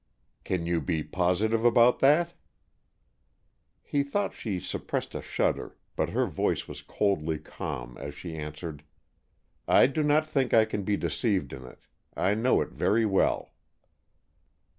"Can you be positive about that?" He thought she suppressed a shudder, but her voice was coldly calm as she answered, "I do not think I can be deceived in it. I know it very well."